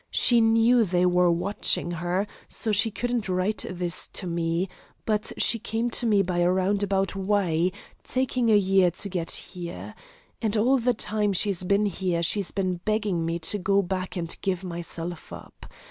She knew they were watching her so she couldn't write this to me, but she came to me by a roundabout way, taking a year to get here. And all the time she's been here, she's been begging me to go back and give myself up.